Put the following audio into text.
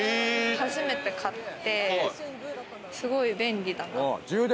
初めて買ってすごい便利だなと。